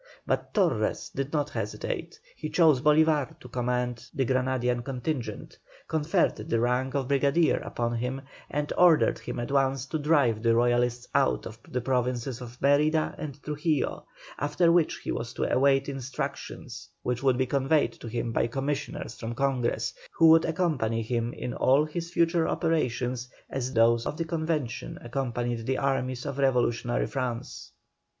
But Torres did not hesitate, he chose Bolívar to command the Granadian contingent, conferred the rank of brigadier upon him, and ordered him at once to drive the Royalists out of the Provinces of Mérida and Trujillo, after which he was to await instructions, which would be conveyed to him by commissioners from Congress, who would accompany him in all his future operations as those of the Convention accompanied the armies of Revolutionary France.